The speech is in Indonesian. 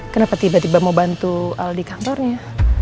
kenapa tiba tiba mau bantu aldi kantornya